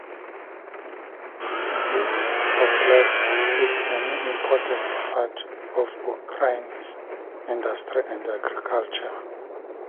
This oblast is an important part of Ukraine's industry and agriculture.